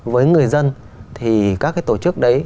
với người dân thì các cái tổ chức đấy